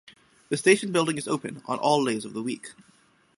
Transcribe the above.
The station building is open on all days of the week.